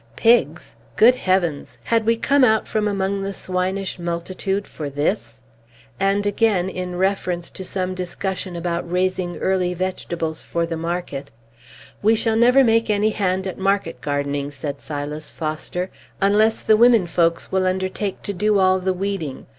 Pigs! Good heavens! had we come out from among the swinish multitude for this? And again, in reference to some discussion about raising early vegetables for the market: "We shall never make any hand at market gardening," said Silas Foster, "unless the women folks will undertake to do all the weeding.